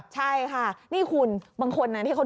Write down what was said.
ใช่ค่ะนี่คุณบางคนที่เขาดูข่าว